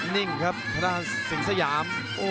นิ่งครับธนธรรมสิงห์สยาม